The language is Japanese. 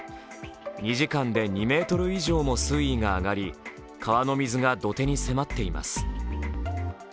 ２時間で２ｍ以上も水位が上がり川の水が土手に迫っています。